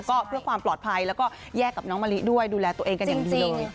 ก็เพื่อความปลอดภัยแล้วก็แยกกับน้องมะลิด้วยดูแลตัวเองกันอย่างจริง